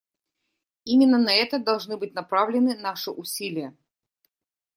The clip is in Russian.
Именно на это должны быть направлены наши усилия.